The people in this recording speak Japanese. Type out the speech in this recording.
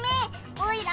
オイラ